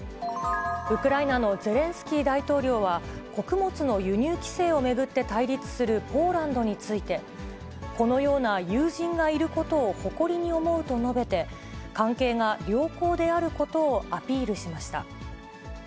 ウクライナのゼレンスキー大統領は、穀物の輸入規制を巡って対立するポーランドについて、このような友人がいることを誇りに思うと述べて、関係が良好であることをアピールしました。